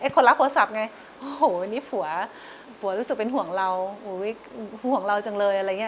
คนรักโทรศัพท์ไงโอ้โหนี่ฝันห่วงเราจังเลย